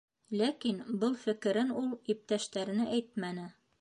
Ләкин был фекерен ул иптәштәренә әйтмәне.